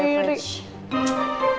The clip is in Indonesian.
aduh siapa aja